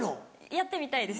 やってみたいです。